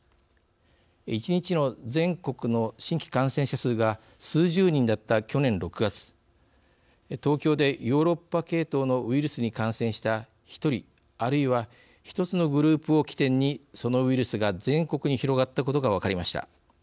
１日の全国の新規感染者数が数十人だった去年６月東京で、ヨーロッパ系統のウイルスに感染した１人あるいは１つのグループを起点にそのウイルスが全国に広がったことが分かりました。